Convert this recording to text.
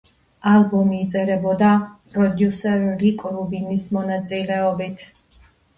ალბომი იწერებოდა პროდიუსერ რიკ რუბინის მონაწილეობით.